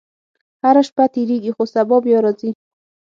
• هره شپه تېرېږي، خو سبا بیا راځي.